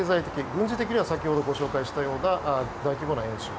軍事的には先ほどご紹介したような大規模な演習。